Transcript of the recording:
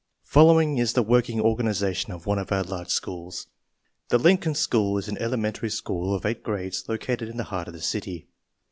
/ Following is the working organization of one of our large schools: The Lincoln School is an elementary school of eight grades, located in the heart of the city.